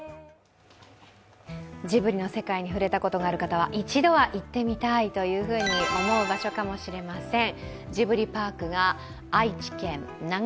ジブリの世界に触れたことがある方は一度は行ってみたいと思う場所かもしれません。